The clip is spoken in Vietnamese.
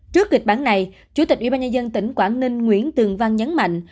trước kịch bản này chủ tịch ubnd tỉnh quảng ninh nguyễn tường văn nhấn mạnh